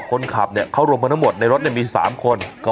คนขับเนี้ยเขารวมมาทั้งหมดในรถเนี้ยมีสามคนก็